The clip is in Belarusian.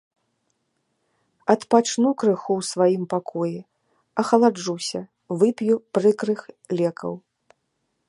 Адпачну крыху ў сваім пакоі, ахаладжуся, вып'ю прыкрых лекаў.